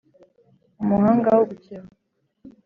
Umuhanga wo gukeba